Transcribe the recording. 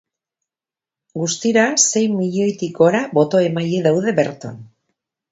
Guztira, sei milioitik gora botoemaile daude berton.